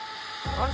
「あれ？